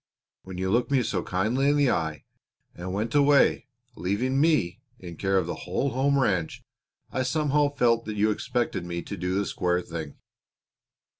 When you looked me so kindly in the eye and went away leaving me in care of the whole home ranch I somehow felt that you expected me to do the square thing."